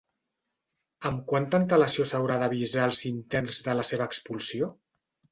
Amb quanta antelació s'haurà d'avisar als interns de la seva expulsió?